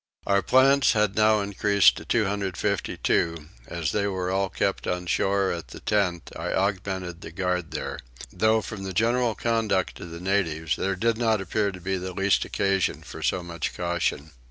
Our plants had now increased to 252: as they were all kept on shore at the tent I augmented the guard there, though from the general conduct of the natives there did not appear the least occasion for so much caution.